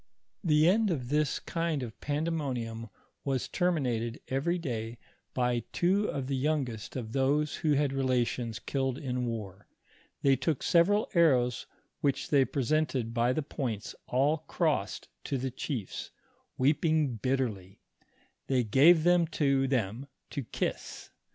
The end of this kind of pandemonium was termin ated every day by two of the youngest of those who had had relations killed in war ; they took several arrows which they presented by the points all crossed to the chiefs, weeping bit terly ; they gave them to them to kiss.